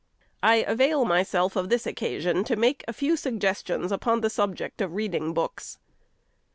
I avail myself of this occasion to make a few suggestions upon the subject of reading books.